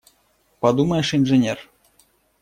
Подумаешь – инженер!